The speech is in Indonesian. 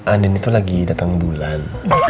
anin itu lagi datang bulan